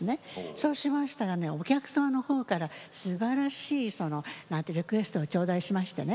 そうしましたらお客さまのほうからすばらしいリクエストを頂戴しましてね。